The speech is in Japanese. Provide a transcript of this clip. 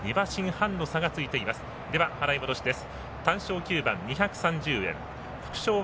払い戻しです。